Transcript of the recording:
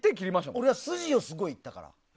俺はすじを、すごいいったから。